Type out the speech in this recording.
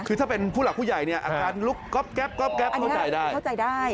คือถ้าเป็นผู้หลักผู้ใหญ่อาการลุกก๊อบแก๊บเข้าใจได้